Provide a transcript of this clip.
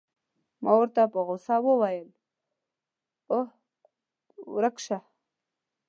ما ورته په غوسه وویل: اوه، ورک شه.